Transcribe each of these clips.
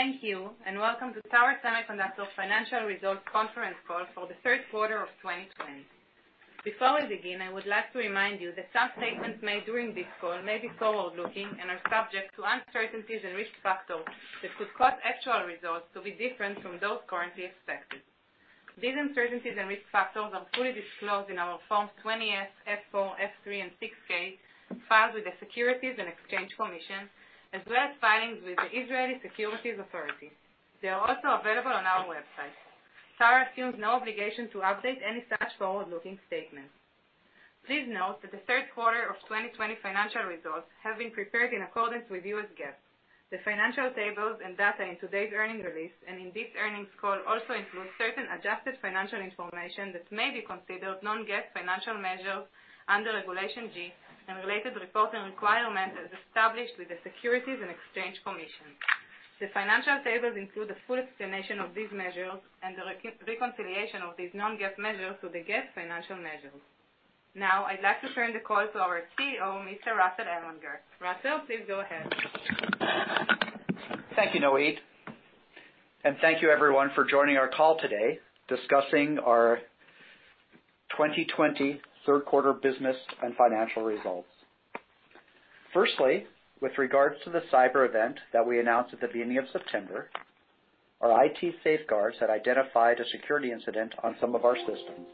Thank you, and welcome to Tower Semiconductor's financial results conference call for the third quarter of 2020. Before we begin, I would like to remind you that some statements made during this call may be forward-looking and are subject to uncertainties and risk factors that could cause actual results to be different from those currently expected. These uncertainties and risk factors are fully disclosed in our Forms 20F, F4, F3, and 6K filed with the Securities and Exchange Commission, as well as filings with the Israeli Securities Authority. They are also available on our website. Tower assumes no obligation to update any such forward-looking statements. Please note that the third quarter of 2020 financial results have been prepared in accordance with U.S. GAAP. The financial tables and data in today's earnings release and in this earnings call also include certain adjusted financial information that may be considered non-GAAP financial measures under Regulation G and related reporting requirements as established with the Securities and Exchange Commission. The financial tables include a full explanation of these measures and the reconciliation of these non-GAAP measures to the GAAP financial measures. Now, I'd like to turn the call to our CEO, Mr. Russell Ellwanger. Russell, please go ahead. Thank you, Noit. Thank you, everyone, for joining our call today discussing our 2020 third quarter business and financial results. Firstly, with regards to the cyber event that we announced at the beginning of September, our IT safeguards had identified a security incident on some of our systems.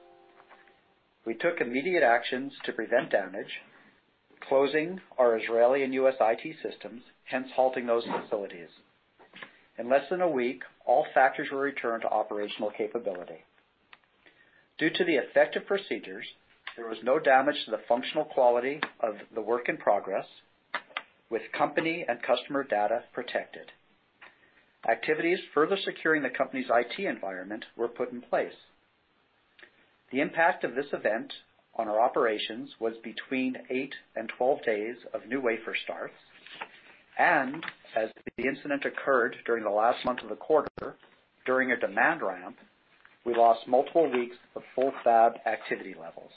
We took immediate actions to prevent damage, closing our Israeli and U.S. IT systems, hence halting those facilities. In less than a week, all factories were returned to operational capability. Due to the effective procedures, there was no damage to the functional quality of the work in progress, with company and customer data protected. Activities further securing the company's IT environment were put in place. The impact of this event on our operations was between 8-12 days of new wafer starts. As the incident occurred during the last month of the quarter, during a demand ramp, we lost multiple weeks of full fab activity levels.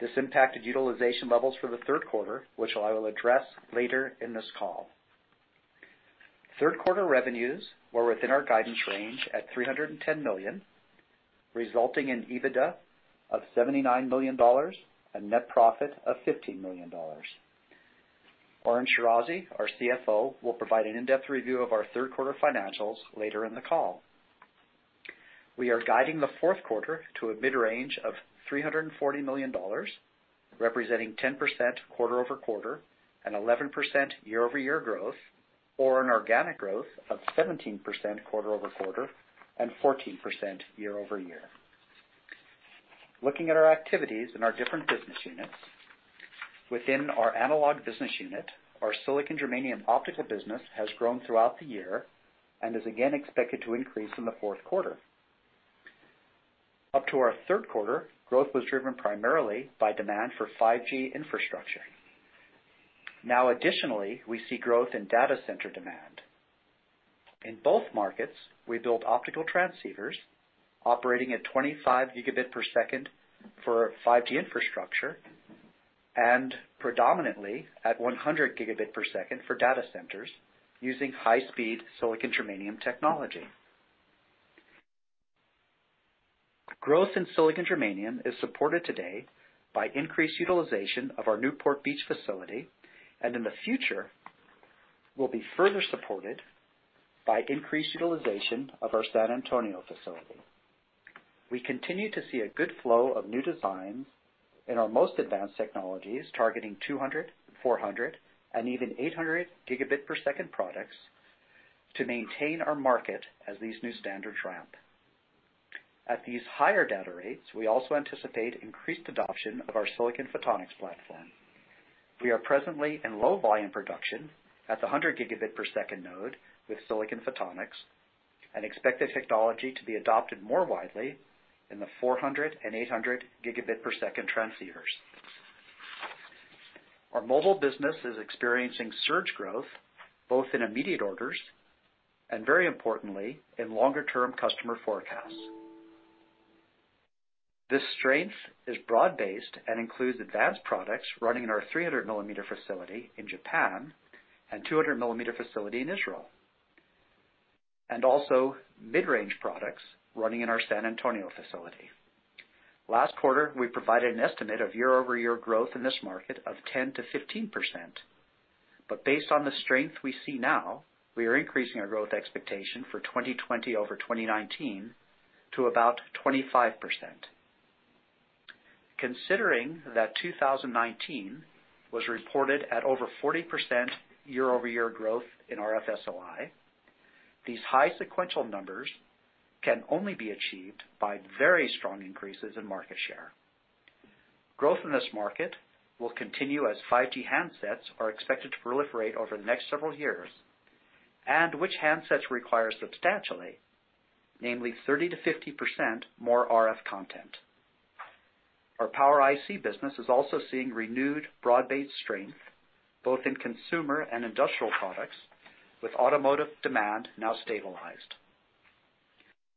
This impacted utilization levels for the third quarter, which I will address later in this call. Third quarter revenues were within our guidance range at $310 million, resulting in EBITDA of $79 million and net profit of $15 million. Oren Shirazi, our CFO, will provide an in-depth review of our third quarter financials later in the call. We are guiding the fourth quarter to a mid-range of $340 million, representing 10% quarter-over-quarter and 11% year-over-year growth, or an organic growth of 17% quarter-over-quarter and 14% year-over-year. Looking at our activities in our different business units, within our analog business unit, our silicon-germanium optical business has grown throughout the year and is again expected to increase in the fourth quarter. Up to our third quarter, growth was driven primarily by demand for 5G infrastructure. Now, additionally, we see growth in data center demand. In both markets, we build optical transceivers operating at 25 gigabit per second for 5G infrastructure and predominantly at 100 gigabit per second for data centers using high-speed silicon-germanium technology. Growth in silicon-germanium is supported today by increased utilization of our Newport Beach facility, and in the future will be further supported by increased utilization of our San Antonio facility. We continue to see a good flow of new designs in our most advanced technologies targeting 200, 400, and even 800 gigabit per second products to maintain our market as these new standards ramp. At these higher data rates, we also anticipate increased adoption of our silicon photonics platform. We are presently in low-volume production at the 100 gigabit per second node with silicon photonics and expect the technology to be adopted more widely in the 400 and 800 gigabit per second transceivers. Our mobile business is experiencing surge growth both in immediate orders and, very importantly, in longer-term customer forecasts. This strength is broad-based and includes advanced products running in our 300-millimeter facility in Japan and 200-millimeter facility in Israel, and also mid-range products running in our San Antonio facility. Last quarter, we provided an estimate of year-over-year growth in this market of 10-15%. Based on the strength we see now, we are increasing our growth expectation for 2020 over 2019 to about 25%. Considering that 2019 was reported at over 40% year-over-year growth in our FSOI, these high sequential numbers can only be achieved by very strong increases in market share. Growth in this market will continue as 5G handsets are expected to proliferate over the next several years, and which handsets require substantially, namely 30-50% more RF content. Our power IC business is also seeing renewed broad-based strength both in consumer and industrial products, with automotive demand now stabilized.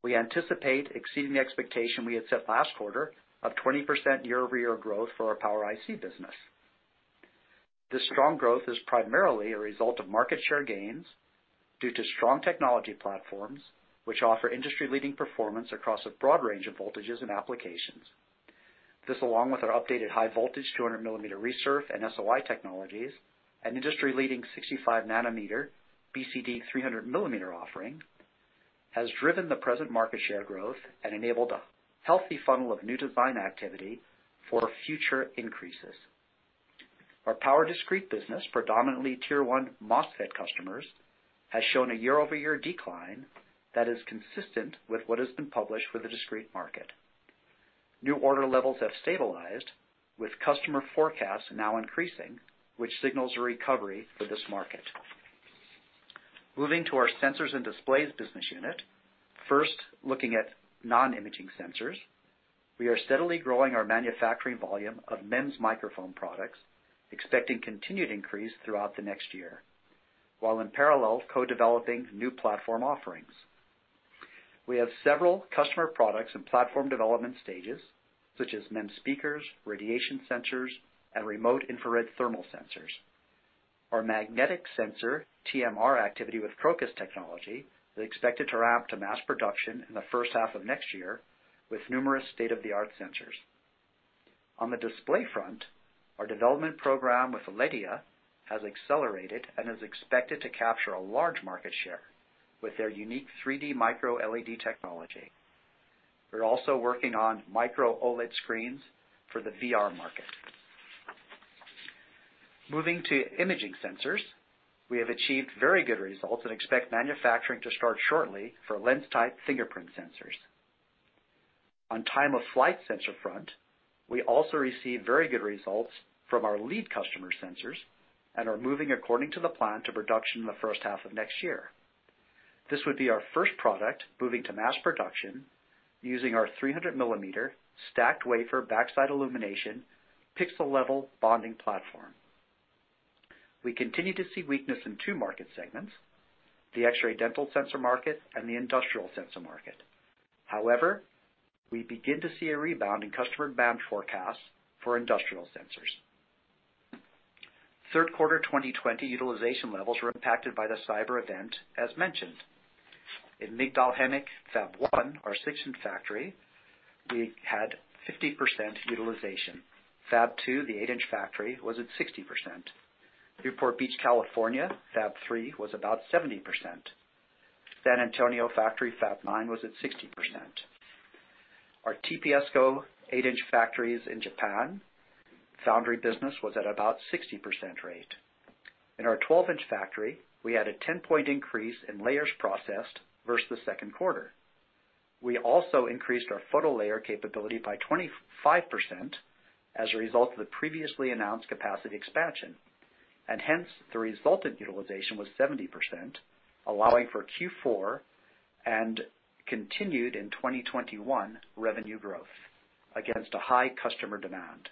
We anticipate exceeding the expectation we had set last quarter of 20% year-over-year growth for our power IC business. This strong growth is primarily a result of market share gains due to strong technology platforms which offer industry-leading performance across a broad range of voltages and applications. This, along with our updated high-voltage 200-millimeter resurf and SOI technologies and industry-leading 65-nanometer BCD 300-millimeter offering, has driven the present market share growth and enabled a healthy funnel of new design activity for future increases. Our power discrete business, predominantly tier-one MOSFET customers, has shown a year-over-year decline that is consistent with what has been published for the discrete market. New order levels have stabilized, with customer forecasts now increasing, which signals a recovery for this market. Moving to our sensors and displays business unit, first looking at non-imaging sensors, we are steadily growing our manufacturing volume of MEMS microphone products, expecting continued increase throughout the next year, while in parallel co-developing new platform offerings. We have several customer products in platform development stages, such as MEMS speakers, radiation sensors, and remote infrared thermal sensors. Our magnetic sensor TMR activity with Krokus technology is expected to ramp to mass production in the first half of next year with numerous state-of-the-art sensors. On the display front, our development program with Aledia has accelerated and is expected to capture a large market share with their unique 3D micro-LED technology. We're also working on micro-OLED screens for the VR market. Moving to imaging sensors, we have achieved very good results and expect manufacturing to start shortly for lens-type fingerprint sensors. On time-of-flight sensor front, we also received very good results from our lead customer sensors and are moving according to the plan to production in the first half of next year. This would be our first product moving to mass production using our 300-millimeter stacked wafer backside illumination pixel-level bonding platform. We continue to see weakness in two market segments: the X-ray dental sensor market and the industrial sensor market. However, we begin to see a rebound in customer demand forecasts for industrial sensors. Third quarter 2020 utilization levels were impacted by the cyber event as mentioned. In Migdal HaEmek Fab 1, our 6-inch factory, we had 50% utilization. Fab 2, the 8-inch factory, was at 60%. Newport Beach, California Fab 3 was about 70%. San Antonio factory Fab 9 was at 60%. Our TPSCo 8-inch factories in Japan, foundry business was at about 60% rate. In our 12-inch factory, we had a 10 percentage point increase in layers processed versus the second quarter. We also increased our photo layer capability by 25% as a result of the previously announced capacity expansion, and hence the resultant utilization was 70%, allowing for Q4 and continued in 2021 revenue growth against a high customer demand.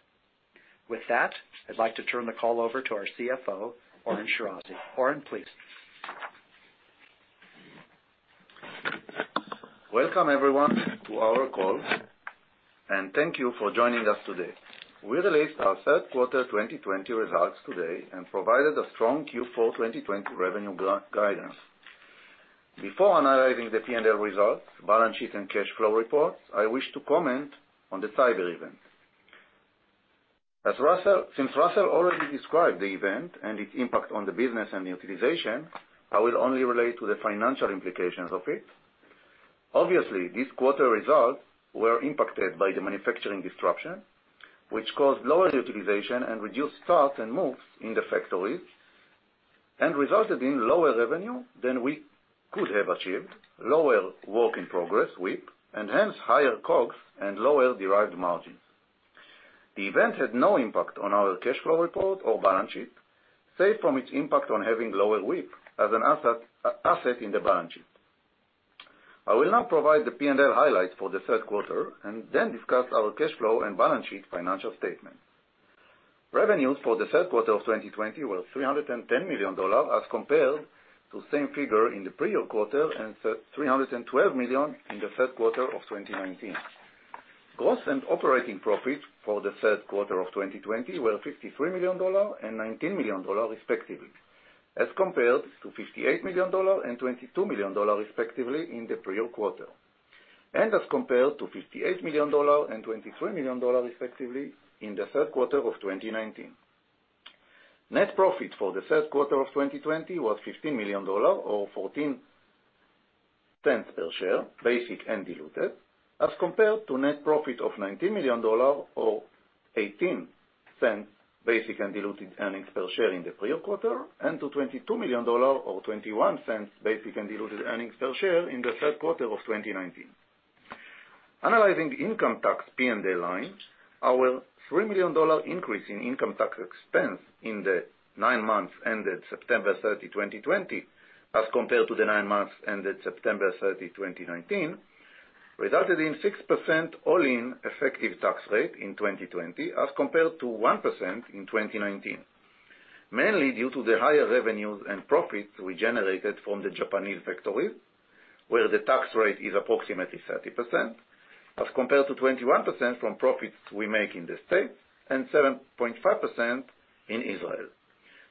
With that, I'd like to turn the call over to our CFO, Oren Shirazi. Oren, please. Welcome, everyone, to our call, and thank you for joining us today. We released our third quarter 2020 results today and provided a strong Q4 2020 revenue guidance. Before analyzing the P&L results, balance sheet, and cash flow reports, I wish to comment on the cyber event. Since Russell already described the event and its impact on the business and utilization, I will only relate to the financial implications of it. Obviously, these quarter results were impacted by the manufacturing disruption, which caused lower utilization and reduced starts and moves in the factories, and resulted in lower revenue than we could have achieved, lower work in progress, WIP, and hence higher COGS and lower derived margins. The event had no impact on our cash flow report or balance sheet, save from its impact on having lower WIP as an asset in the balance sheet. I will now provide the P&L highlights for the third quarter and then discuss our cash flow and balance sheet financial statement. Revenues for the third quarter of 2020 were $310 million as compared to the same figure in the previous quarter and $312 million in the third quarter of 2019. Gross and operating profits for the third quarter of 2020 were $53 million and $19 million, respectively, as compared to $58 million and $22 million, respectively, in the previous quarter, and as compared to $58 million and $23 million, respectively, in the third quarter of 2019. Net profit for the third quarter of 2020 was $15 million, or $0.14 per share, basic and diluted, as compared to net profit of $19 million, or $0.18 basic and diluted earnings per share in the previous quarter, and to $22 million, or $0.21 basic and diluted earnings per share in the third quarter of 2019. Analyzing income tax P&L line, our $3 million increase in income tax expense in the nine months ended September 30, 2020, as compared to the nine months ended September 30, 2019, resulted in a 6% all-in effective tax rate in 2020 as compared to 1% in 2019, mainly due to the higher revenues and profits we generated from the Japanese factories, where the tax rate is approximately 30%, as compared to 21% from profits we make in the U.S. and 7.5% in Israel,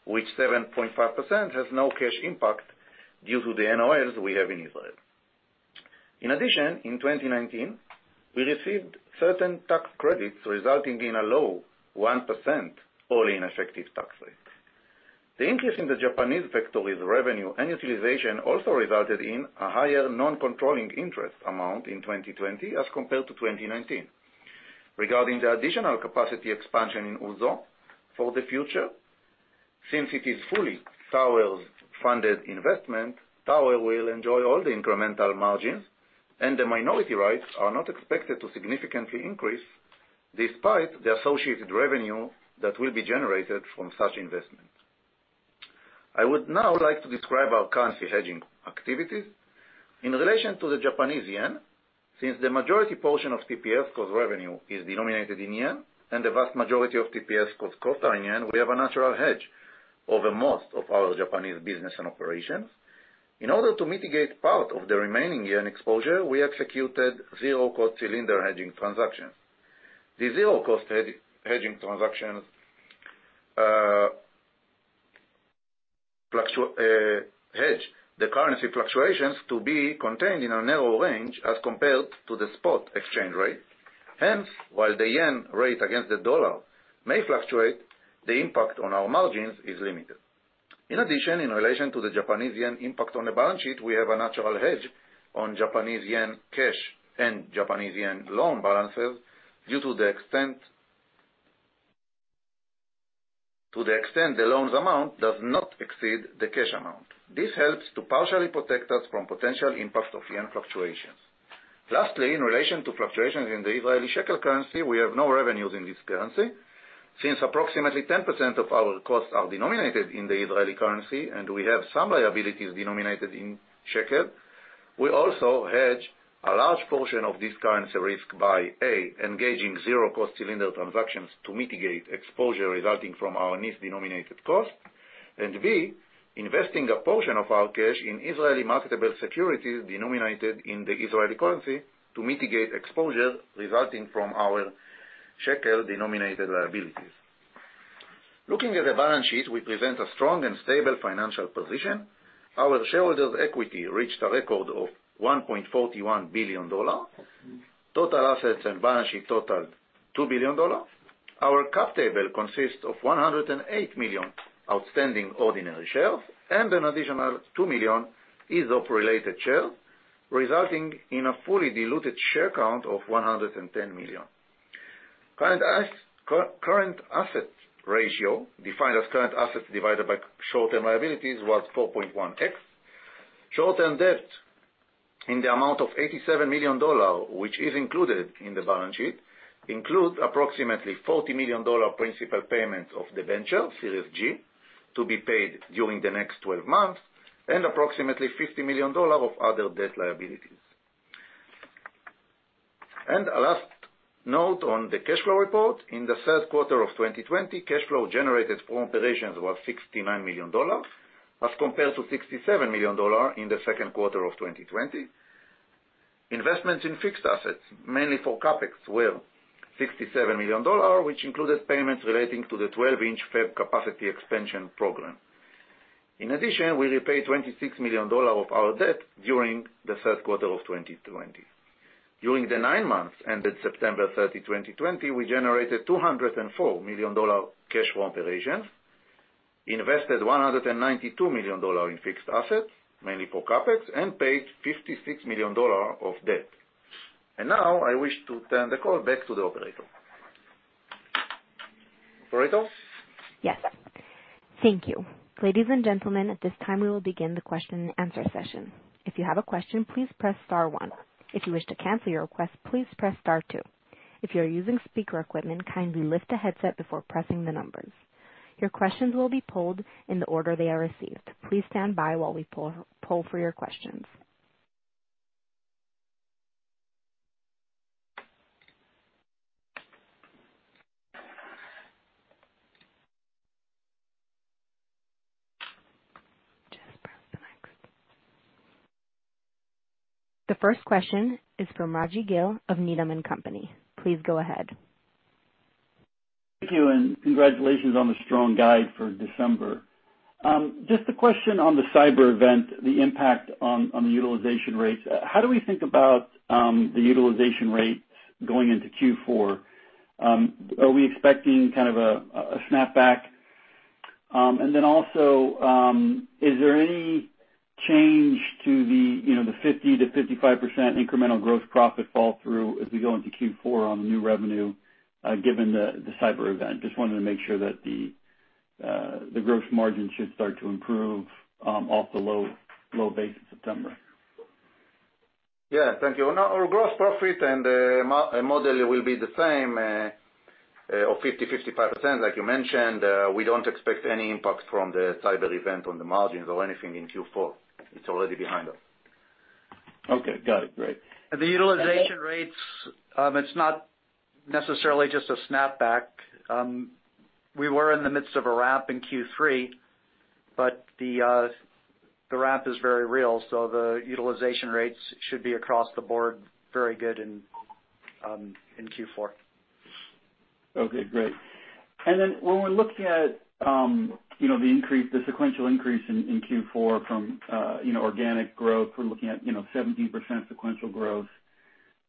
which 7.5% has no cash impact due to the NOLs we have in Israel. In addition, in 2019, we received certain tax credits resulting in a low 1% all-in effective tax rate. The increase in the Japanese factories' revenue and utilization also resulted in a higher non-controlling interest amount in 2020 as compared to 2019. Regarding the additional capacity expansion in Uozu, for the future, since it is fully Tower's funded investment, Tower will enjoy all the incremental margins, and the minority rights are not expected to significantly increase despite the associated revenue that will be generated from such investment. I would now like to describe our currency hedging activities. In relation to the Japanese yen, since the majority portion of TPSCo's revenue is denominated in yen and the vast majority of TPSCo's costs are in yen, we have a natural hedge over most of our Japanese business and operations. In order to mitigate part of the remaining yen exposure, we executed zero-cost cylinder hedging transactions. These zero-cost hedging transactions hedge the currency fluctuations to be contained in a narrow range as compared to the spot exchange rate. Hence, while the yen rate against the dollar may fluctuate, the impact on our margins is limited. In addition, in relation to the Japanese yen impact on the balance sheet, we have a natural hedge on Japanese yen cash and Japanese yen loan balances due to the extent the loan's amount does not exceed the cash amount. This helps to partially protect us from potential impacts of yen fluctuations. Lastly, in relation to fluctuations in the Israeli shekel currency, we have no revenues in this currency. Since approximately 10% of our costs are denominated in the Israeli currency and we have some liabilities denominated in shekel, we also hedge a large portion of this currency risk by, A, engaging zero-cost cylinder transactions to mitigate exposure resulting from our NIS denominated cost, and, B, investing a portion of our cash in Israeli marketable securities denominated in the Israeli currency to mitigate exposure resulting from our shekel denominated liabilities. Looking at the balance sheet, we present a strong and stable financial position. Our shareholders' equity reached a record of $1.41 billion. Total assets and balance sheet totaled $2 billion. Our cap table consists of 108 million outstanding ordinary shares and an additional 2 million ISOP-related shares, resulting in a fully diluted share count of 110 million. Current asset ratio, defined as current assets divided by short-term liabilities, was 4.1x. Short-term debt, in the amount of $87 million, which is included in the balance sheet, includes approximately $40 million principal payment of the venture, Series G, to be paid during the next 12 months, and approximately $50 million of other debt liabilities. A last note on the cash flow report. In the third quarter of 2020, cash flow generated from operations was $69 million, as compared to $67 million in the second quarter of 2020. Investments in fixed assets, mainly for CapEx, were $67 million, which included payments relating to the 12-inch fab capacity expansion program. In addition, we repaid $26 million of our debt during the third quarter of 2020. During the nine months ended September 30, 2020, we generated $204 million cash from operations, invested $192 million in fixed assets, mainly for CapEx, and paid $56 million of debt. I wish to turn the call back to the operator. Operator? Yes. Thank you. Ladies and gentlemen, at this time we will begin the question-and-answer session. If you have a question, please press Star 1. If you wish to cancel your request, please press Star 2. If you are using speaker equipment, kindly lift the headset before pressing the numbers. Your questions will be polled in the order they are received. Please stand by while we poll for your questions. Just press the next. The first question is from Raji Gill of Needham & Company. Please go ahead. Thank you, and congratulations on the strong guide for December. Just a question on the cyber event, the impact on the utilization rates. How do we think about the utilization rates going into Q4? Are we expecting kind of a snapback? Also, is there any change to the 50-55% incremental gross profit fall-through as we go into Q4 on the new revenue given the cyber event? Just wanted to make sure that the gross margin should start to improve off the low base in September. Yeah, thank you. Our gross profit and model will be the same of 50%-55%, like you mentioned. We do not expect any impact from the cyber event on the margins or anything in Q4. It is already behind us. Okay. Got it. Great. The utilization rates, it's not necessarily just a snapback. We were in the midst of a ramp in Q3, but the ramp is very real, so the utilization rates should be across the board very good in Q4. Okay. Great. When we're looking at the sequential increase in Q4 from organic growth, we're looking at 17% sequential growth,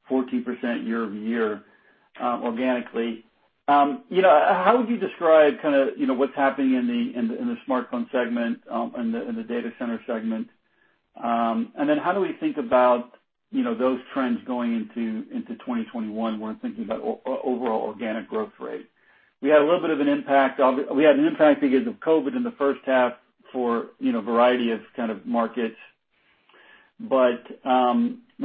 14% year-over-year organically. How would you describe kind of what's happening in the smartphone segment and the data center segment? How do we think about those trends going into 2021 when thinking about overall organic growth rate? We had a little bit of an impact. We had an impact because of COVID in the first half for a variety of kind of markets.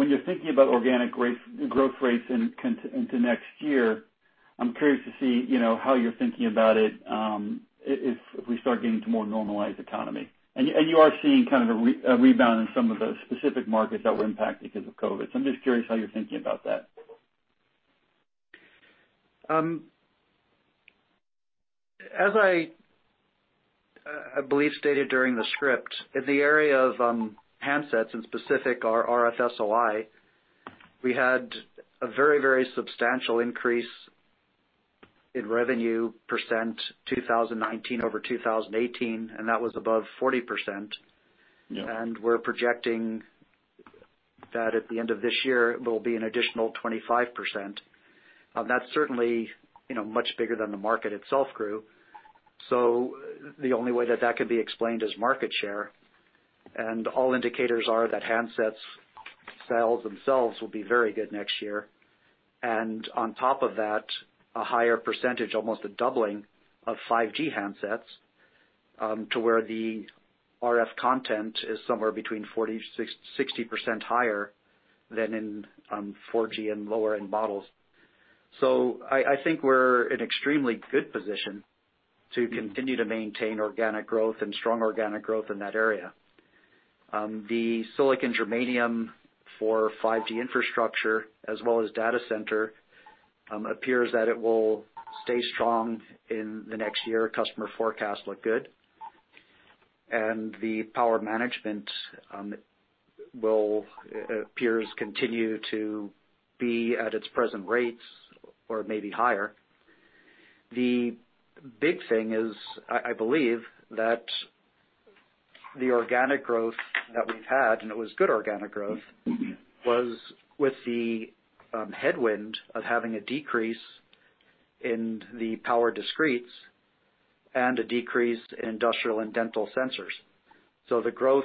When you're thinking about organic growth rates into next year, I'm curious to see how you're thinking about it if we start getting to a more normalized economy. You are seeing kind of a rebound in some of the specific markets that were impacted because of COVID. I'm just curious how you're thinking about that. As I believe stated during the script, in the area of handsets and specific our RF SOI, we had a very, very substantial increase in revenue % 2019 over 2018, and that was above 40%. We are projecting that at the end of this year, it will be an additional 25%. That is certainly much bigger than the market itself grew. The only way that that could be explained is market share. All indicators are that handsets sales themselves will be very good next year. On top of that, a higher percentage, almost a doubling, of 5G handsets to where the RF content is somewhere between 40-60% higher than in 4G and lower-end models. I think we are in an extremely good position to continue to maintain organic growth and strong organic growth in that area. The silicon-germanium for 5G infrastructure, as well as data center, appears that it will stay strong in the next year. Customer forecasts look good. The power management appears to continue to be at its present rates or maybe higher. The big thing is, I believe, that the organic growth that we've had, and it was good organic growth, was with the headwind of having a decrease in the power discretes and a decrease in industrial and dental sensors. The growth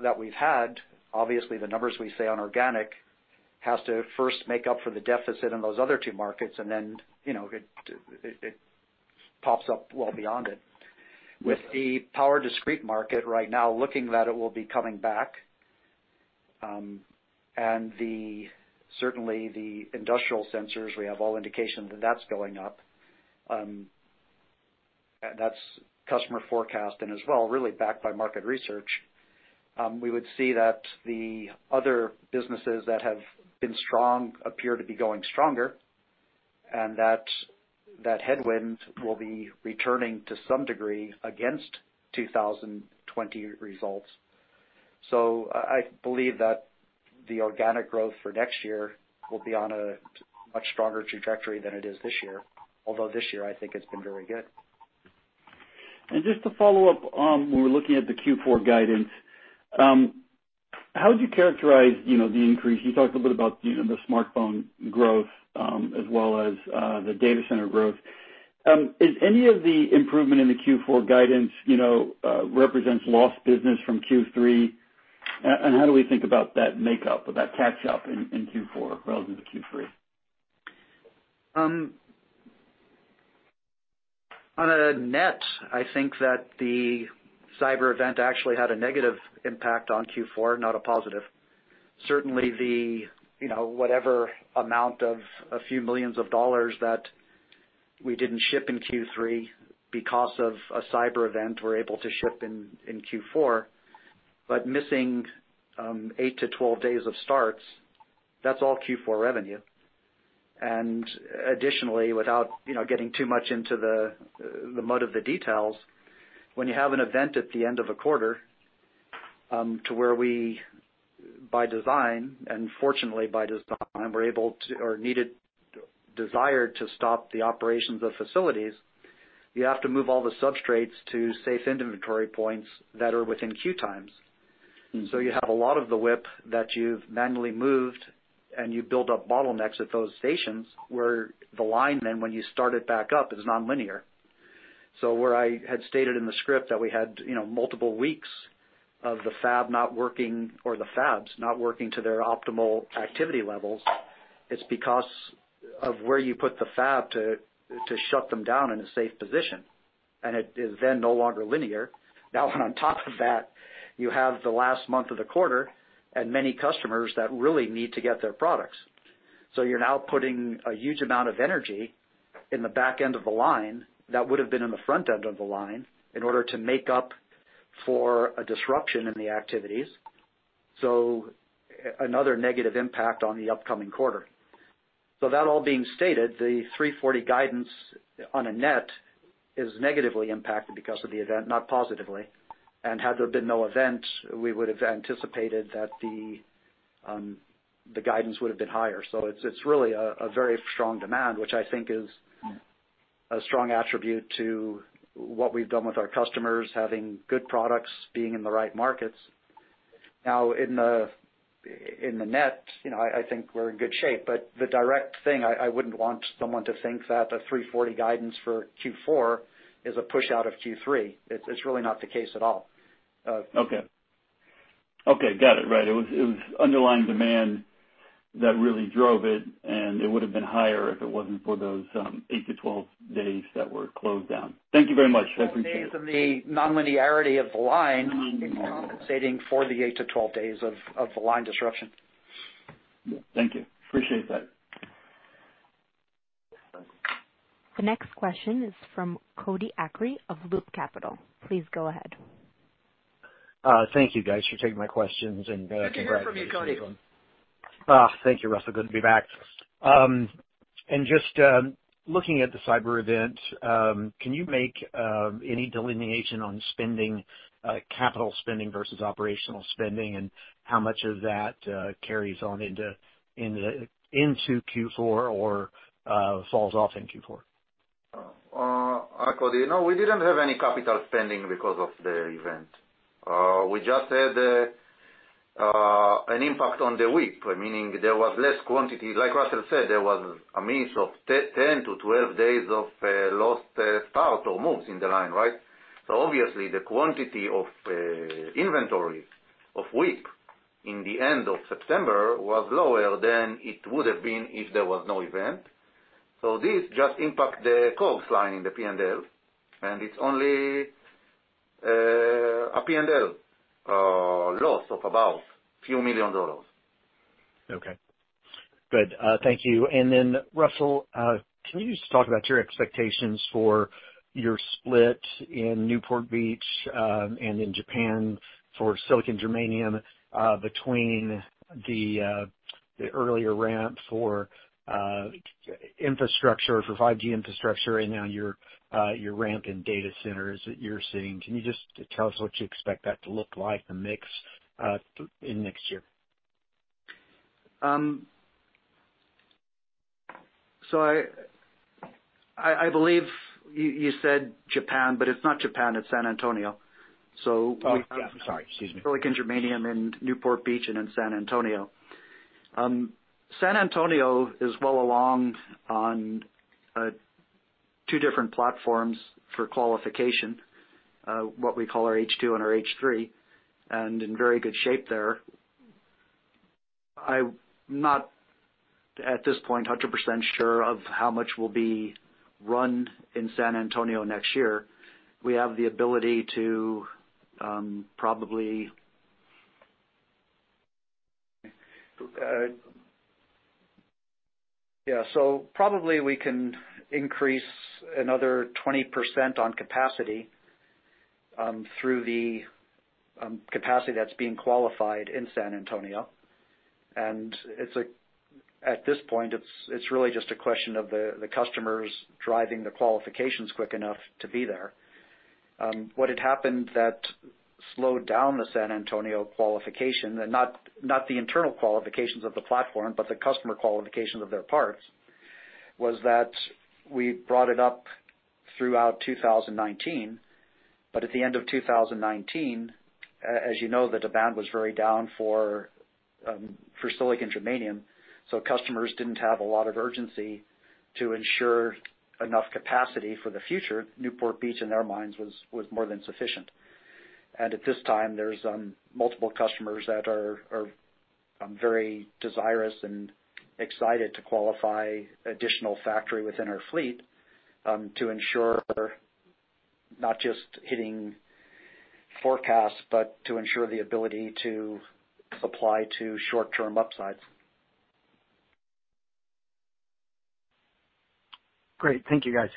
that we've had, obviously the numbers we say on organic has to first make up for the deficit in those other two markets, and then it pops up well beyond it. With the power discrete market right now, looking that it will be coming back, and certainly the industrial sensors, we have all indications that that's going up. That's customer forecast and as well really backed by market research. We would see that the other businesses that have been strong appear to be going stronger, and that headwind will be returning to some degree against 2020 results. I believe that the organic growth for next year will be on a much stronger trajectory than it is this year, although this year I think it's been very good. Just to follow up, when we're looking at the Q4 guidance, how would you characterize the increase? You talked a little bit about the smartphone growth as well as the data center growth. Is any of the improvement in the Q4 guidance represents lost business from Q3? How do we think about that makeup or that catch-up in Q4 relative to Q3? On a net, I think that the cyber event actually had a negative impact on Q4, not a positive. Certainly, whatever amount of a few millions of dollars that we did not ship in Q3 because of a cyber event, we are able to ship in Q4. Missing 8-12 days of starts, that is all Q4 revenue. Additionally, without getting too much into the mud of the details, when you have an event at the end of a quarter to where we, by design, and fortunately by design, were able to or needed, desired to stop the operations of facilities, you have to move all the substrates to safe inventory points that are within queue times. You have a lot of the WIP that you have manually moved, and you build up bottlenecks at those stations where the line then, when you start it back up, is nonlinear. Where I had stated in the script that we had multiple weeks of the fab not working or the fabs not working to their optimal activity levels, it is because of where you put the fab to shut them down in a safe position. It is then no longer linear. Now, on top of that, you have the last month of the quarter and many customers that really need to get their products. You are now putting a huge amount of energy in the back end of the line that would have been in the front end of the line in order to make up for a disruption in the activities. Another negative impact on the upcoming quarter. That all being stated, the $340 million guidance on a net is negatively impacted because of the event, not positively. Had there been no event, we would have anticipated that the guidance would have been higher. It is really a very strong demand, which I think is a strong attribute to what we have done with our customers, having good products, being in the right markets. Now, in the net, I think we are in good shape. The direct thing, I would not want someone to think that the 340 guidance for Q4 is a push out of Q3. It is really not the case at all. Okay. Okay. Got it. Right. It was underlying demand that really drove it, and it would have been higher if it wasn't for those 8-12 days that were closed down. Thank you very much. I appreciate it. The nonlinearity of the line is compensating for the 8 to 12 days of the line disruption. Thank you. Appreciate that. The next question is from Cody Acree of Loop Capital. Please go ahead. Thank you, guys, for taking my questions. Thank you for coming in, Cody. Thank you, Russell. Good to be back. Just looking at the cyber event, can you make any delineation on spending, capital spending versus operational spending, and how much of that carries on into Q4 or falls off in Q4? Cody, no, we didn't have any capital spending because of the event. We just had an impact on the WIP, meaning there was less quantity. Like Russell said, there was a miss of 10-12 days of lost start or moves in the line, right? Obviously, the quantity of inventory of WIP in the end of September was lower than it would have been if there was no event. This just impacted the COGS line in the P&L, and it's only a P&L loss of about a few million dollars. Okay. Good. Thank you. Russell, can you just talk about your expectations for your split in Newport Beach and in Japan for silicon-germanium between the earlier ramp for infrastructure, for 5G infrastructure, and now your ramp in data centers that you're seeing? Can you just tell us what you expect that to look like, the mix in next year? I believe you said Japan, but it's not Japan. It's San Antonio. We have. Oh, yeah. I'm sorry. Excuse me. Silicon-germanium in Newport Beach and in San Antonio. San Antonio is well along on two different platforms for qualification, what we call our H2 and our H3, and in very good shape there. I'm not, at this point, 100% sure of how much will be run in San Antonio next year. We have the ability to probably. Yeah. Probably we can increase another 20% on capacity through the capacity that's being qualified in San Antonio. At this point, it's really just a question of the customers driving the qualifications quick enough to be there. What had happened that slowed down the San Antonio qualification, not the internal qualifications of the platform, but the customer qualifications of their parts, was that we brought it up throughout 2019. At the end of 2019, as you know, the demand was very down for silicon-germanium. Customers did not have a lot of urgency to ensure enough capacity for the future. Newport Beach, in their minds, was more than sufficient. At this time, there are multiple customers that are very desirous and excited to qualify additional factory within our fleet to ensure not just hitting forecasts, but to ensure the ability to apply to short-term upsides. Great. Thank you, guys.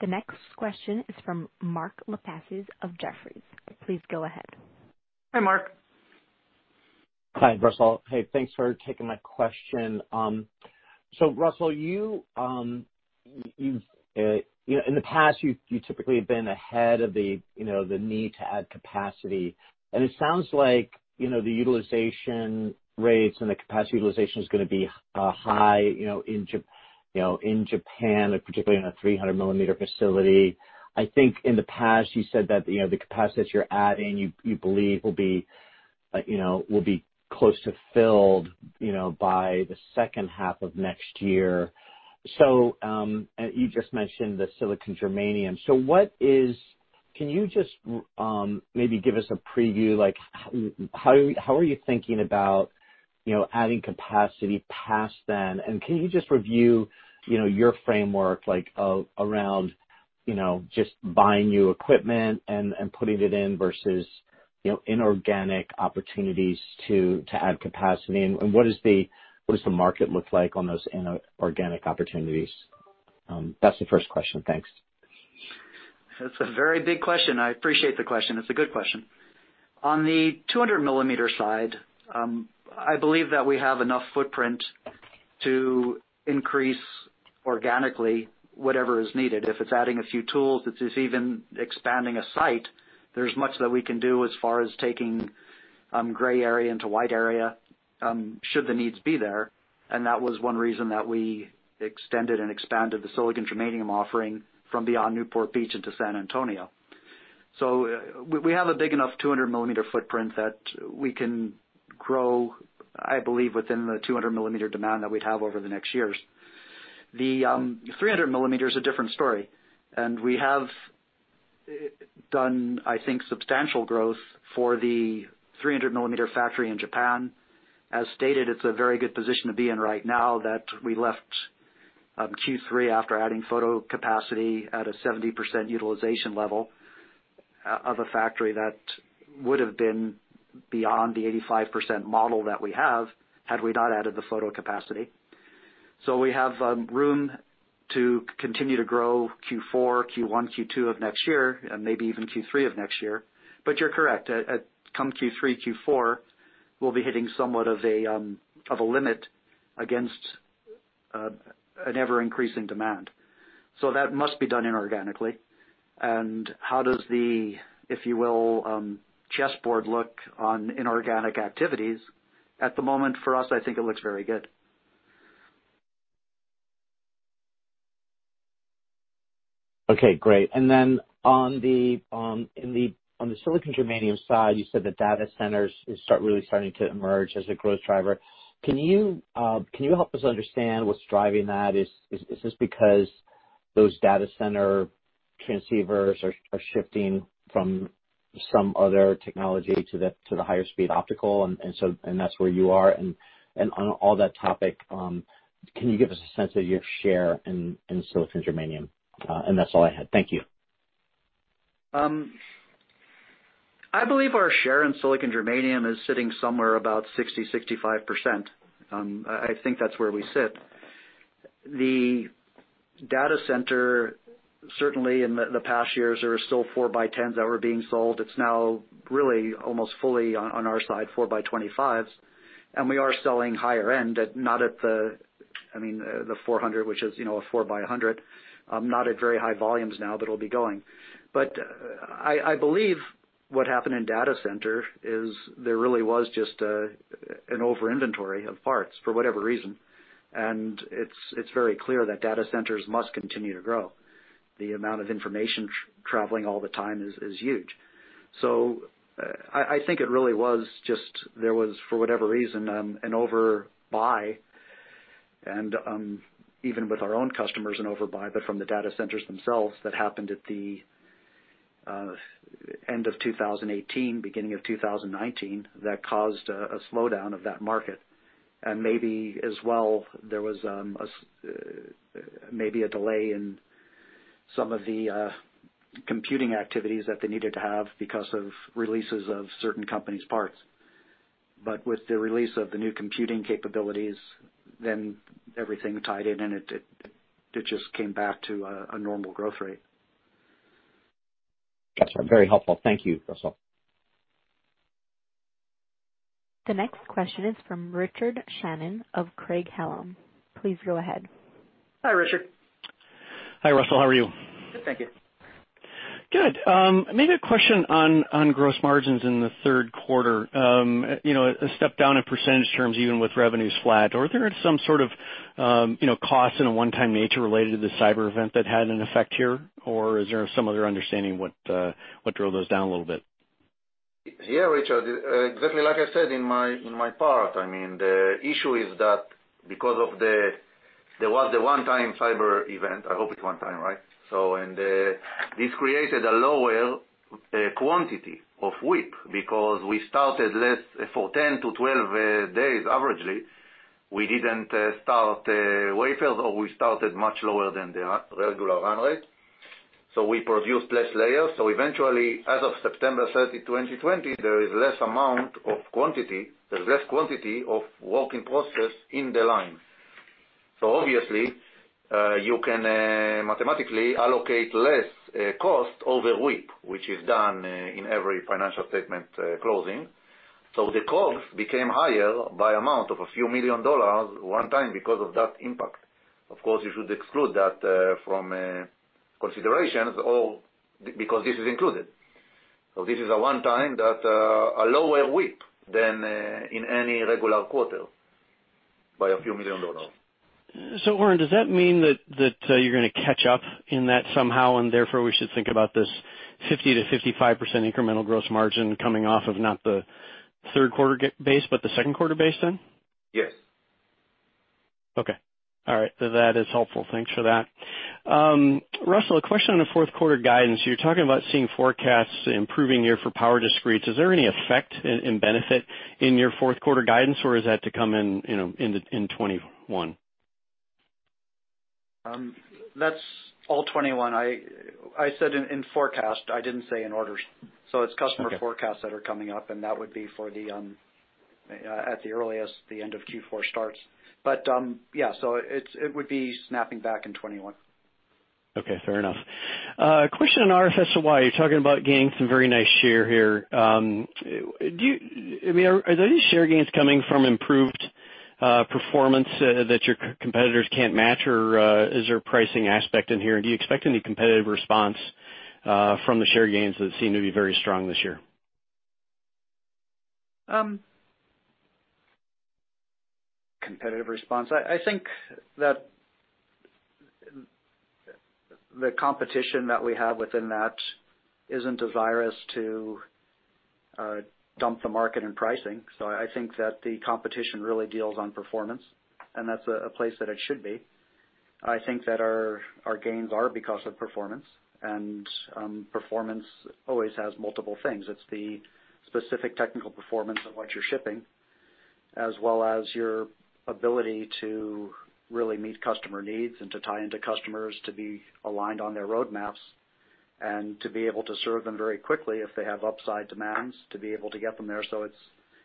The next question is from Mark LaPasses of Jefferies. Please go ahead. Hi, Mark. Hi, Russell. Hey, thanks for taking my question. Russell, in the past, you typically have been ahead of the need to add capacity. It sounds like the utilization rates and the capacity utilization is going to be high in Japan, particularly in a 300-millimeter facility. I think in the past, you said that the capacity that you're adding, you believe, will be close to filled by the second half of next year. You just mentioned the silicon-germanium. Can you just maybe give us a preview? How are you thinking about adding capacity past then? Can you just review your framework around just buying new equipment and putting it in versus inorganic opportunities to add capacity? What does the market look like on those inorganic opportunities? That's the first question. Thanks. It's a very big question. I appreciate the question. It's a good question. On the 200-millimeter side, I believe that we have enough footprint to increase organically whatever is needed. If it's adding a few tools, it's even expanding a site. There is much that we can do as far as taking gray area into white area should the needs be there. That was one reason that we extended and expanded the silicon-germanium offering from beyond Newport Beach into San Antonio. We have a big enough 200-millimeter footprint that we can grow, I believe, within the 200-millimeter demand that we'd have over the next years. The 300-millimeter is a different story. We have done, I think, substantial growth for the 300-millimeter factory in Japan. As stated, it's a very good position to be in right now that we left Q3 after adding photo capacity at a 70% utilization level of a factory that would have been beyond the 85% model that we have had we not added the photo capacity. We have room to continue to grow Q4, Q1, Q2 of next year, and maybe even Q3 of next year. You're correct. Come Q3, Q4, we'll be hitting somewhat of a limit against an ever-increasing demand. That must be done inorganically. How does the, if you will, chessboard look on inorganic activities? At the moment, for us, I think it looks very good. Okay. Great. On the silicon-germanium side, you said that data centers are really starting to emerge as a growth driver. Can you help us understand what's driving that? Is this because those data center transceivers are shifting from some other technology to the higher-speed optical, and that's where you are? On that topic, can you give us a sense of your share in silicon-germanium? That's all I had. Thank you. I believe our share in silicon-germanium is sitting somewhere about 60-65%. I think that's where we sit. The data center, certainly in the past years, there were still 4x10s that were being sold. It's now really almost fully on our side, 4x25s. And we are selling higher-end, not at the, I mean, the 400, which is a 4x100, not at very high volumes now that it'll be going. I believe what happened in data center is there really was just an over-inventory of parts for whatever reason. It is very clear that data centers must continue to grow. The amount of information traveling all the time is huge. I think it really was just there was, for whatever reason, an overbuy, and even with our own customers, an overbuy, but from the data centers themselves that happened at the end of 2018, beginning of 2019, that caused a slowdown of that market. Maybe as well, there was maybe a delay in some of the computing activities that they needed to have because of releases of certain companies' parts. With the release of the new computing capabilities, then everything tied in, and it just came back to a normal growth rate. Gotcha. Very helpful. Thank you, Russell. The next question is from Richard Shannon of Craig Hallum. Please go ahead. Hi, Richard. Hi, Russell. How are you? Good. Thank you. Good. Maybe a question on gross margins in the third quarter, a step down in percentage terms, even with revenues flat. Are there some sort of costs of a one-time nature related to the cyber event that had an effect here, or is there some other understanding what drove those down a little bit? Yeah, Richard. Exactly like I said in my part, I mean, the issue is that because of the one-time cyber event, I hope it's one-time, right? This created a lower quantity of WIP because we started less for 10 to 12 days averagely. We didn't start wafers, or we started much lower than the regular run rate. We produced less layers. Eventually, as of September 30, 2020, there is less amount of quantity. There's less quantity of work in process in the line. Obviously, you can mathematically allocate less cost over WIP, which is done in every financial statement closing. The COGS became higher by amount of a few million dollars one-time because of that impact. Of course, you should exclude that from considerations because this is included. This is a one-time that a lower WIP than in any regular quarter by a few million dollars. Oren, does that mean that you're going to catch up in that somehow, and therefore we should think about this 50-55% incremental gross margin coming off of not the third-quarter base, but the second-quarter base then? Yes. Okay. All right. That is helpful. Thanks for that. Russell, a question on the fourth-quarter guidance. You're talking about seeing forecasts improving year for power discretes. Is there any effect and benefit in your fourth-quarter guidance, or is that to come in in 2021? That's all 2021. I said in forecast. I didn't say in orders. It is customer forecasts that are coming up, and that would be for the, at the earliest, the end of Q4 starts. Yeah, it would be snapping back in 2021. Okay. Fair enough. Question on RF SOI. You're talking about gaining some very nice share here. I mean, are there any share gains coming from improved performance that your competitors can't match, or is there a pricing aspect in here? Do you expect any competitive response from the share gains that seem to be very strong this year? Competitive response? I think that the competition that we have within that isn't as eager to dump the market in pricing. I think that the competition really deals on performance, and that's a place that it should be. I think that our gains are because of performance. Performance always has multiple things. It's the specific technical performance of what you're shipping, as well as your ability to really meet customer needs and to tie into customers to be aligned on their roadmaps and to be able to serve them very quickly if they have upside demands, to be able to get them there.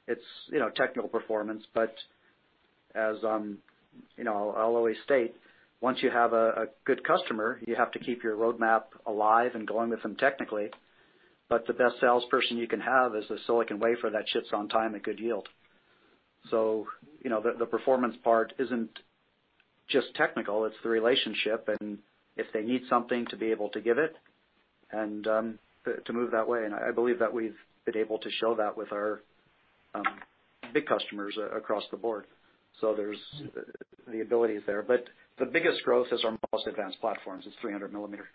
It's technical performance. As I'll always state, once you have a good customer, you have to keep your roadmap alive and going with them technically. The best salesperson you can have is a silicon wafer that ships on time at good yield. The performance part isn't just technical. It's the relationship. If they need something, to be able to give it and to move that way. I believe that we've been able to show that with our big customers across the board. There's the abilities there. The biggest growth is our most advanced platforms. It's 300-millimeter.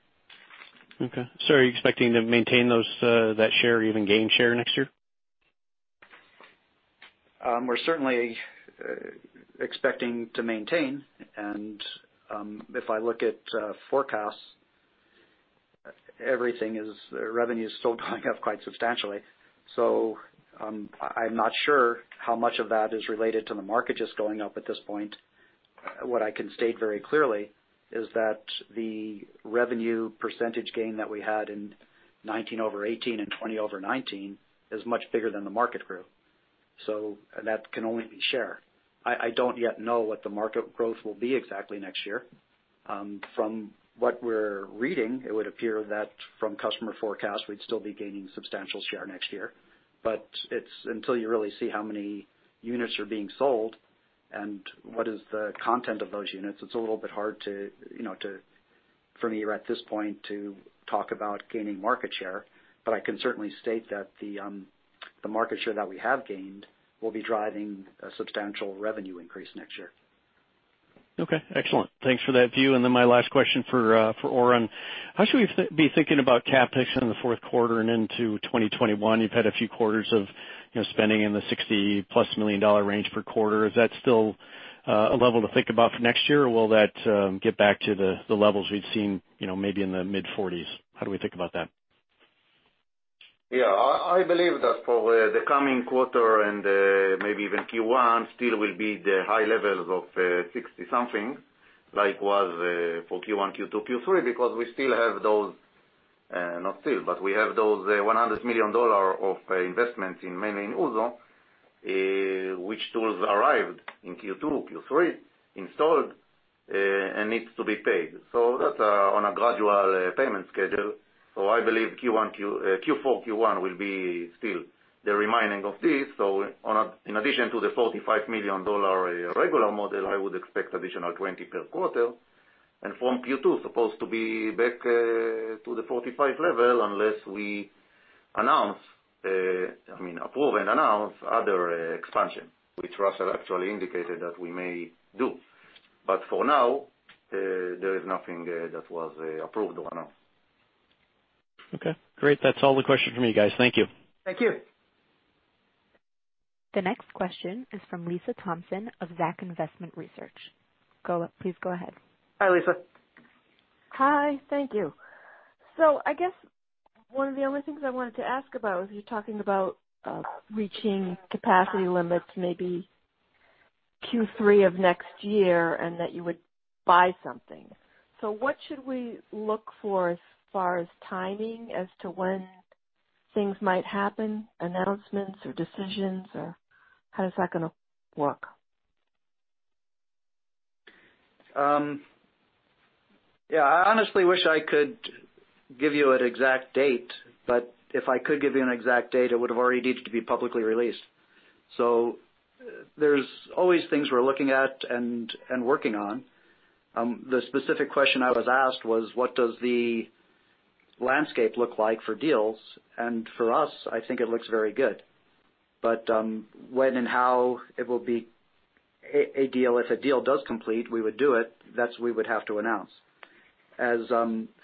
Okay. Are you expecting to maintain that share or even gain share next year? We're certainly expecting to maintain. If I look at forecasts, everything is revenue is still going up quite substantially. I'm not sure how much of that is related to the market just going up at this point. What I can state very clearly is that the revenue percentage gain that we had in 2019 over 2018 and 2020 over 2019 is much bigger than the market grew. That can only be share. I don't yet know what the market growth will be exactly next year. From what we're reading, it would appear that from customer forecast, we'd still be gaining substantial share next year. Until you really see how many units are being sold and what is the content of those units, it's a little bit hard to, for me at this point, to talk about gaining market share. I can certainly state that the market share that we have gained will be driving a substantial revenue increase next year. Okay. Excellent. Thanks for that view. My last question for Oren. How should we be thinking about CapEx in the fourth quarter and into 2021? You've had a few quarters of spending in the $60 million-plus range per quarter. Is that still a level to think about for next year, or will that get back to the levels we've seen maybe in the mid-$40 million range? How do we think about that? Yeah. I believe that for the coming quarter and maybe even Q1, still will be the high levels of 60-something, like was for Q1, Q2, Q3, because we still have those, not still, but we have those $100 million of investments mainly in Uozu, which tools arrived in Q2, Q3, installed, and needs to be paid. That is on a gradual payment schedule. I believe Q4, Q1 will be still the remaining of this. In addition to the $45 million regular model, I would expect additional 20 per quarter. From Q2, supposed to be back to the 45 level unless we announce, I mean, approve and announce other expansion, which Russell actually indicated that we may do. For now, there is nothing that was approved or announced. Okay. Great. That's all the questions from you guys. Thank you. Thank you. The next question is from Lisa Thompson of Zacks Investment Research. Please go ahead. Hi, Lisa. Hi. Thank you. I guess one of the only things I wanted to ask about is you're talking about reaching capacity limits maybe Q3 of next year and that you would buy something. What should we look for as far as timing as to when things might happen, announcements or decisions, or how is that going to work? Yeah. I honestly wish I could give you an exact date, but if I could give you an exact date, it would have already needed to be publicly released. There are always things we're looking at and working on. The specific question I was asked was, what does the landscape look like for deals? For us, I think it looks very good. When and how it will be a deal, if a deal does complete, we would do it. That's what we would have to announce. As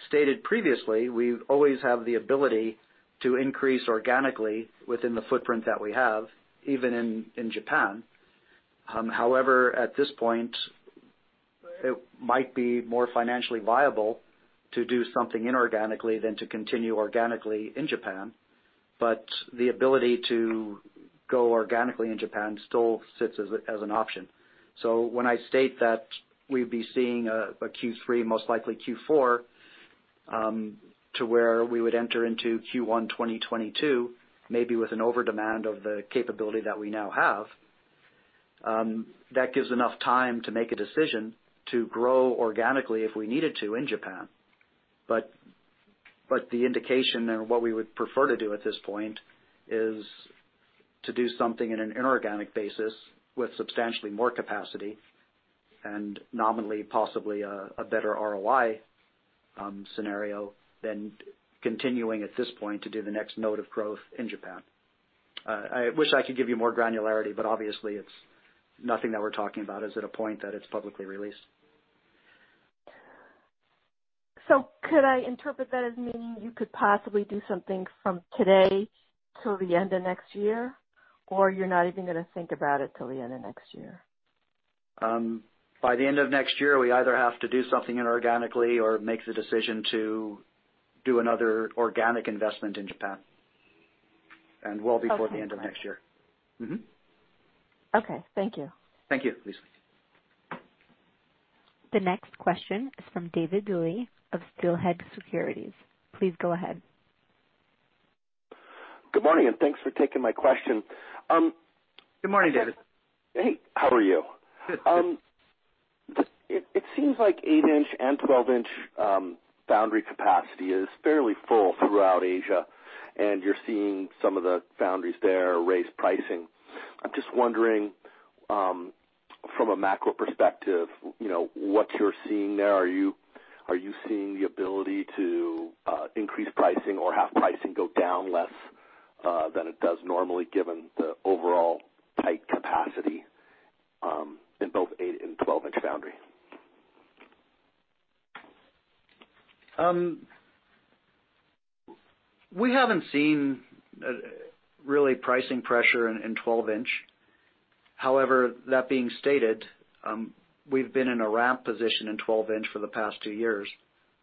stated previously, we always have the ability to increase organically within the footprint that we have, even in Japan. At this point, it might be more financially viable to do something inorganically than to continue organically in Japan. The ability to go organically in Japan still sits as an option. When I state that we'd be seeing a Q3, most likely Q4, to where we would enter into Q1 2022, maybe with an overdemand of the capability that we now have, that gives enough time to make a decision to grow organically if we needed to in Japan. The indication and what we would prefer to do at this point is to do something in an inorganic basis with substantially more capacity and nominally, possibly a better ROI scenario than continuing at this point to do the next note of growth in Japan. I wish I could give you more granularity, but obviously, it's nothing that we're talking about is at a point that it's publicly released. Could I interpret that as meaning you could possibly do something from today till the end of next year, or you're not even going to think about it till the end of next year? By the end of next year, we either have to do something inorganically or make the decision to do another organic investment in Japan, and well before the end of next year. Okay. Okay. Thank you. Thank you, Lisa. The next question is from David Dewey of Steelhead Securities. Please go ahead. Good morning, and thanks for taking my question. Good morning, David. Hey, how are you? Good. It seems like 8-inch and 12-inch foundry capacity is fairly full throughout Asia, and you're seeing some of the foundries there raise pricing. I'm just wondering, from a macro perspective, what you're seeing there. Are you seeing the ability to increase pricing or have pricing go down less than it does normally, given the overall tight capacity in both 8 and 12-inch foundry? We haven't seen really pricing pressure in 12-inch. However, that being stated, we've been in a ramp position in 12-inch for the past two years,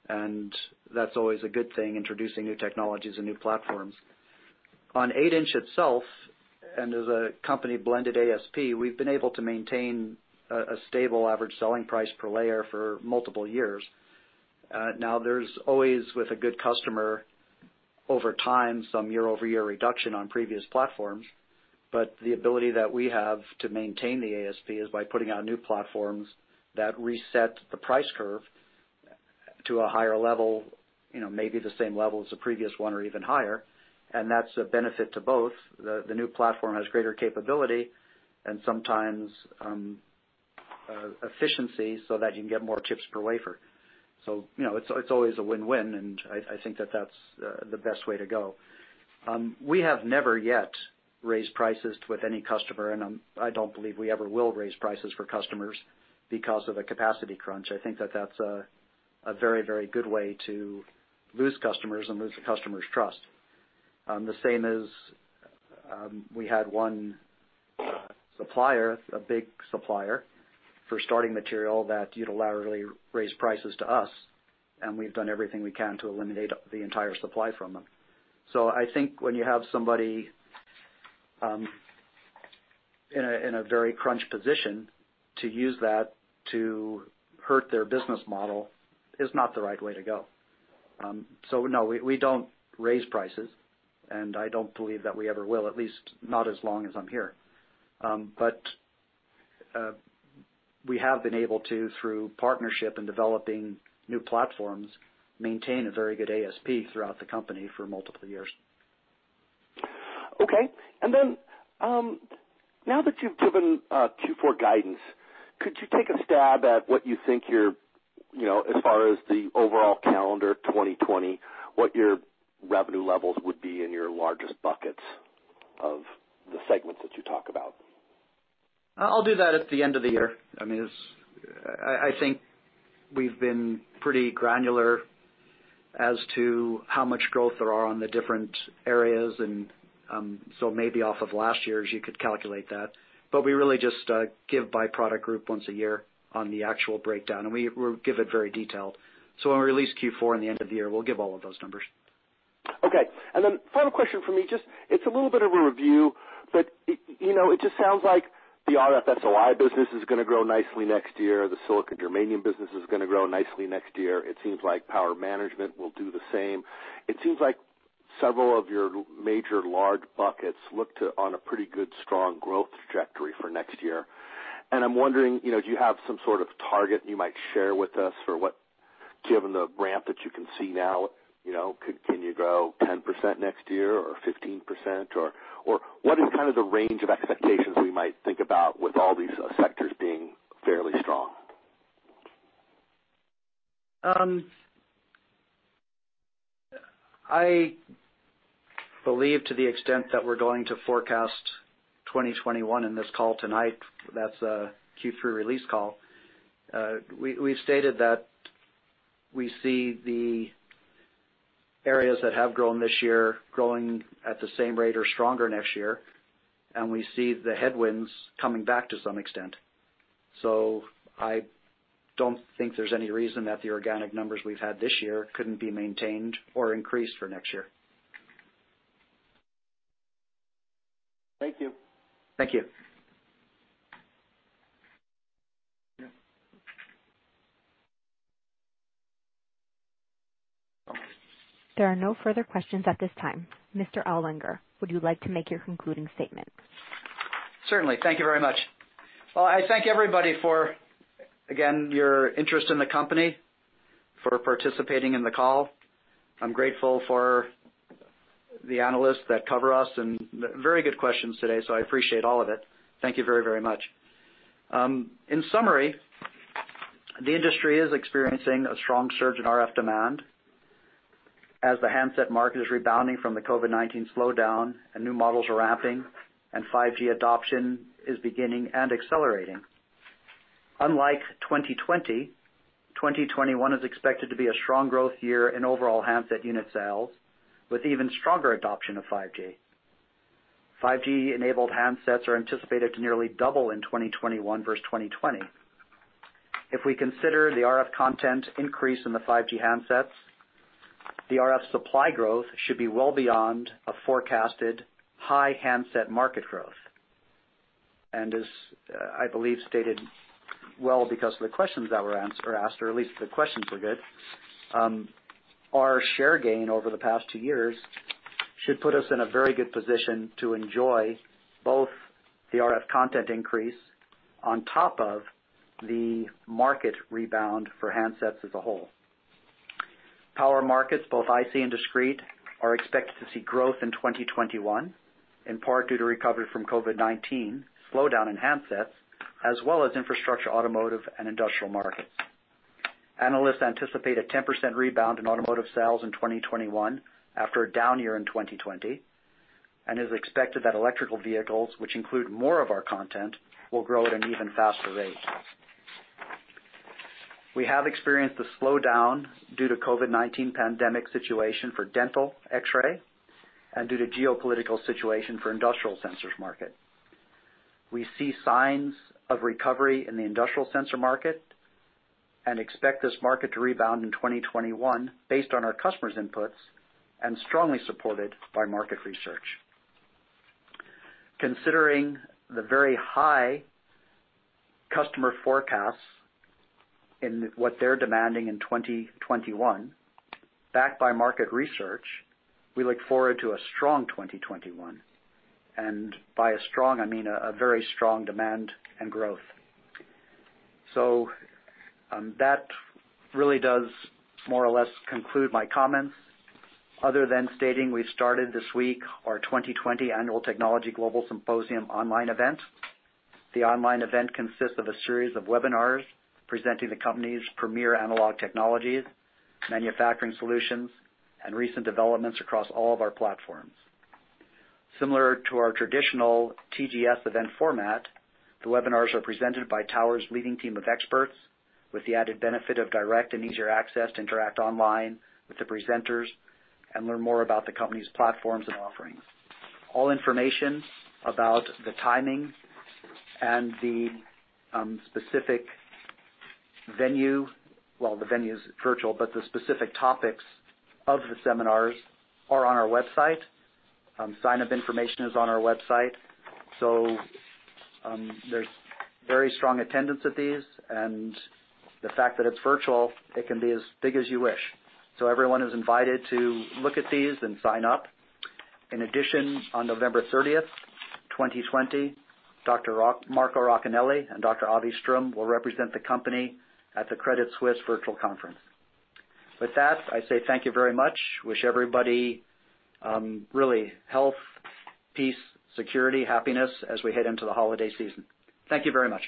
and that's always a good thing, introducing new technologies and new platforms. On 8-inch itself, and as a company blended ASP, we've been able to maintain a stable average selling price per layer for multiple years. Now, there's always, with a good customer, over time, some year-over-year reduction on previous platforms. The ability that we have to maintain the ASP is by putting out new platforms that reset the price curve to a higher level, maybe the same level as the previous one or even higher. That's a benefit to both. The new platform has greater capability and sometimes efficiency so that you can get more chips per wafer. It's always a win-win, and I think that that's the best way to go. We have never yet raised prices with any customer, and I don't believe we ever will raise prices for customers because of a capacity crunch. I think that that's a very, very good way to lose customers and lose the customer's trust. The same as we had one supplier, a big supplier for starting material that unilaterally raised prices to us, and we've done everything we can to eliminate the entire supply from them. I think when you have somebody in a very crunch position to use that to hurt their business model is not the right way to go. No, we don't raise prices, and I don't believe that we ever will, at least not as long as I'm here. We have been able to, through partnership and developing new platforms, maintain a very good ASP throughout the company for multiple years. Okay. Now that you've given Q4 guidance, could you take a stab at what you think your, as far as the overall calendar 2020, what your revenue levels would be in your largest buckets of the segments that you talk about? I'll do that at the end of the year. I mean, I think we've been pretty granular as to how much growth there are on the different areas. And so maybe off of last year's, you could calculate that. We really just give by product group once a year on the actual breakdown, and we give it very detailed. When we release Q4 and the end of the year, we'll give all of those numbers. Okay. Final question for me. Just it's a little bit of a review, but it just sounds like the RF SOI business is going to grow nicely next year. The silicon-germanium business is going to grow nicely next year. It seems like power management will do the same. It seems like several of your major large buckets look to be on a pretty good strong growth trajectory for next year. I'm wondering, do you have some sort of target you might share with us for what, given the ramp that you can see now? Can you grow 10% next year or 15%? What is kind of the range of expectations we might think about with all these sectors being fairly strong? I believe, to the extent that we're going to forecast 2021 in this call tonight, that's a Q3 release call. We've stated that we see the areas that have grown this year growing at the same rate or stronger next year, and we see the headwinds coming back to some extent. I don't think there's any reason that the organic numbers we've had this year couldn't be maintained or increased for next year. Thank you. Thank you. There are no further questions at this time. Mr. Ellwanger, would you like to make your concluding statement? Certainly. Thank you very much. I thank everybody for, again, your interest in the company, for participating in the call. I'm grateful for the analysts that cover us and very good questions today. I appreciate all of it. Thank you very, very much. In summary, the industry is experiencing a strong surge in RF demand as the handset market is rebounding from the COVID-19 slowdown, and new models are ramping, and 5G adoption is beginning and accelerating. Unlike 2020, 2021 is expected to be a strong growth year in overall handset unit sales, with even stronger adoption of 5G. 5G-enabled handsets are anticipated to nearly double in 2021 versus 2020. If we consider the RF content increase in the 5G handsets, the RF supply growth should be well beyond a forecasted high handset market growth. As I believe stated, because of the questions that were asked, or at least the questions were good, our share gain over the past two years should put us in a very good position to enjoy both the RF content increase on top of the market rebound for handsets as a whole. Power markets, both IC and discrete, are expected to see growth in 2021, in part due to recovery from COVID-19, slowdown in handsets, as well as infrastructure, automotive, and industrial markets. Analysts anticipate a 10% rebound in automotive sales in 2021 after a down year in 2020, and it is expected that electrical vehicles, which include more of our content, will grow at an even faster rate. We have experienced the slowdown due to the COVID-19 pandemic situation for dental X-ray and due to the geopolitical situation for the industrial sensors market. We see signs of recovery in the industrial sensor market and expect this market to rebound in 2021 based on our customers' inputs and strongly supported by market research. Considering the very high customer forecasts in what they're demanding in 2021, backed by market research, we look forward to a strong 2021. By a strong, I mean a very strong demand and growth. That really does more or less conclude my comments, other than stating we've started this week our 2020 Annual Technology Global Symposium online event. The online event consists of a series of webinars presenting the company's premier analog technologies, manufacturing solutions, and recent developments across all of our platforms. Similar to our traditional TGS event format, the webinars are presented by Tower's leading team of experts, with the added benefit of direct and easier access to interact online with the presenters and learn more about the company's platforms and offerings. All information about the timing and the specific venue—well, the venue is virtual, but the specific topics of the seminars are on our website. Sign-up information is on our website. There is very strong attendance at these, and the fact that it's virtual, it can be as big as you wish. Everyone is invited to look at these and sign up. In addition, on November 30, 2020, Dr. Marco Racanelli and Dr. Avi Strum will represent the company at the Credit Suisse virtual conference. With that, I say thank you very much. Wish everybody really health, peace, security, happiness as we head into the holiday season. Thank you very much.